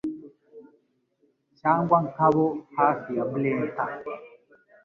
cyangwa nk'abo hafi ya Brenta